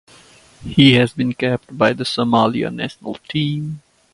He has been capped by the Somalia national team.